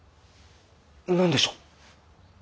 何でしょう？